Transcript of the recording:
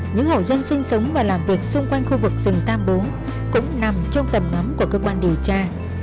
những hộ dân sinh sống và làm việc xung quanh khu vực rừng tam bố cũng nằm trong tầm ngắm của cơ quan điều tra